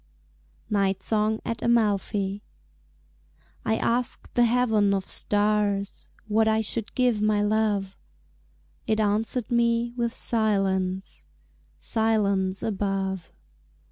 Night Song at Amalfi I asked the heaven of stars What I should give my love It answered me with silence, Silence above.